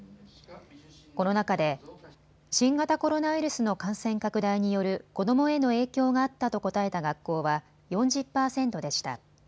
この中で新型コロナウイルスの感染拡大による子どもへの影響があったと答えた学校は４０％でした。